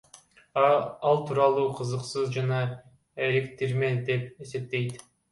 Ал турларды кызыксыз жана эриктирме деп эсептейт.